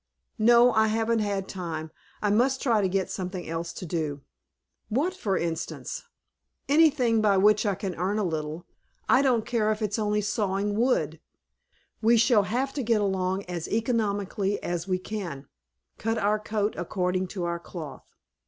"No, I haven't had time. I must try to get something else to do." "What, for instance?" "Anything by which I can earn a little, I don't care if it's only sawing wood. We shall have to get along as economically as we can; cut our coat according to our cloth."